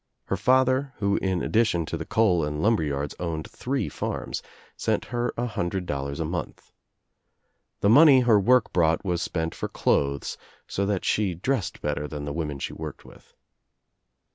Her father, who in addition to the coal and lumber yards owned three farms, sent her a hun dred dollars a month. The money her work brought was spent for clothes so that she dressed better than the women she worked with.